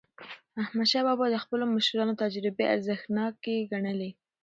احمدشاه بابا د خپلو مشرانو تجربې ارزښتناکې ګڼلې.